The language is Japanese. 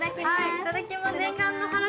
いただきます。